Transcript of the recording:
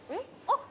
「あっ！